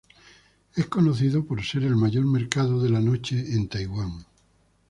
Es conocido por ser el mayor mercado de la noche en Taiwán.